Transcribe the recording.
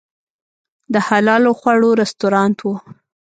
د حلال خواړو رستورانت و.